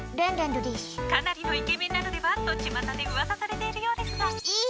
かなりのイケメンなのではとちまたで噂されているそうですが。